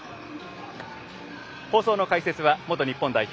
放送の解説は元日本代表